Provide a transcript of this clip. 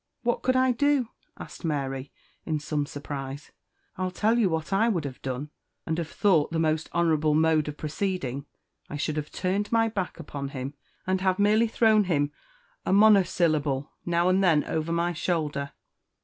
"What could I do?" asked Mary, in some surprise. "I'll tell you what I would have done, and have thought the most honourable mode of proceeding; I should have turned my back upon him, and have merely thrown him a monosyllable now and then over my shoulder."